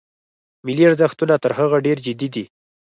ملي ارزښتونه تر هغه ډېر جدي دي.